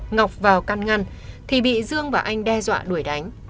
ngọc vào can ngăn thì bị dương và anh đe dọa đuổi đánh